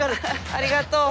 ありがとう。